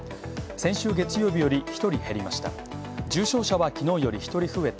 先週月曜日より１人減りました。